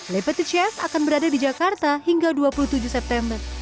lepetic chef akan berada di jakarta hingga dua puluh tujuh september